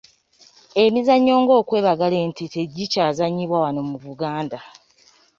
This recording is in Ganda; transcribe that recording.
Emizannyo ng'okwebagala ente tegikyazannyibwa wano mu Buganda.